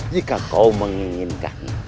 jika kau menginginkan